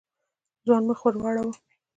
ځوان مخ ور واړاوه.